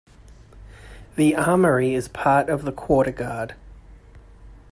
The Armoury is a part of the Quarter Guard.